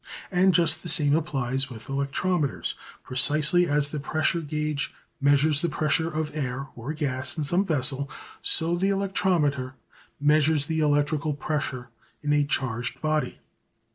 And just the same applies with electrometers. Precisely as the pressure gauge measures the pressure of air or gas in some vessel, so the electrometer measures the electrical pressure in a charged body.